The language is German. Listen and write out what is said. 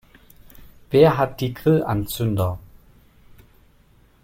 Wer hat die Grillanzünder?